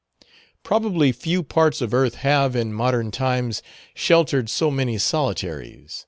Probably few parts of earth have, in modern times, sheltered so many solitaries.